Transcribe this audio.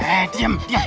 eh diam diam